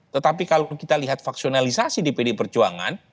tetapi kalau kita lihat faksionalisasi di pd perjuangan